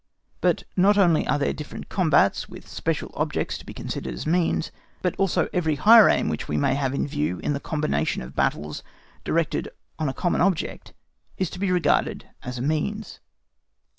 But not only are the different combats with special objects to be considered as means, but also every higher aim which we may have in view in the combination of battles directed on a common object is to be regarded as a means.